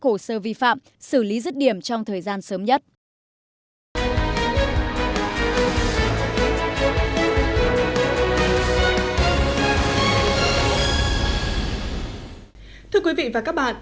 hồ sơ vi phạm xử lý rứt điểm trong thời gian sớm nhất thưa quý vị và các bạn